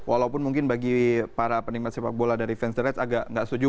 walaupun mungkin bagi para penikmat sepak bola dari fans the rate agak nggak setuju